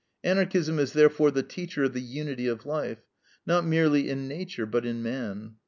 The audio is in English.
Anarchism is therefore the teacher of the unity of life; not merely in nature, but in man.